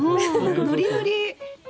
ノリノリ。